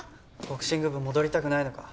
ボクシング部戻りたくないのか？